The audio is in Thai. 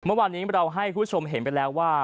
เมื่อวานนี้เราให้คุณผู้ชมเห็นไปแล้วว่า